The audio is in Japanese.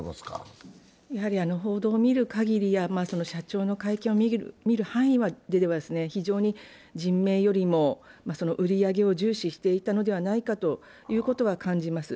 報道を見るかぎり社長の会見を見る範囲では非常に人命よりも売り上げを重視していたのではないかということは感じます。